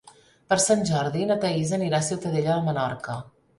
Per Sant Jordi na Thaís anirà a Ciutadella de Menorca.